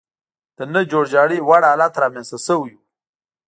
د نه جوړجاړي وړ حالت رامنځته شوی و.